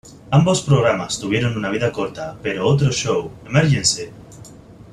Ambos programas tuvieron una vida corta, pero otro show, "Emergency!